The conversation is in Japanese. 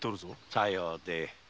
さようで。